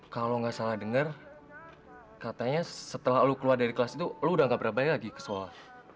kalau gak salah denger katanya setelah lu keluar dari kelas itu lu udah gak berapa lagi ke sekolah